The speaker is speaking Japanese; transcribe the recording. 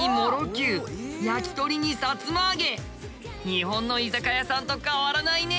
日本の居酒屋さんと変わらないね。